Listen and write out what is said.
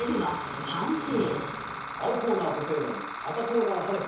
青コーナーポセイドン赤コーナーハデス。